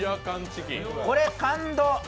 これ、感動。